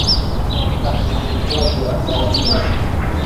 mahitaji ya viazi lishe